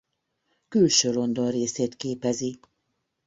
Külső-London részét képezi.